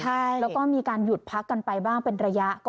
แล้วก็มีการหยุดพักกันไปบ้างเป็นระยะ